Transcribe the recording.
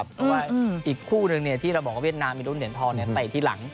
เพราะว่าอีกคู่หนึ่งที่เราบอกว่าเวียดนามมีรุ่นเหรียญทองเตะที่หลัง